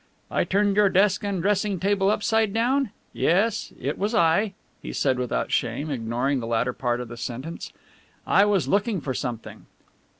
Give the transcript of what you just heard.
"I turned your desk and dressing chest upside down? Yes, it was I," he said without shame, ignoring the latter part of the sentence. "I was looking for something."